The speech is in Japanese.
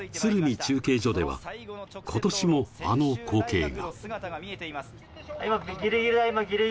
中継所では、今年もあの光景が。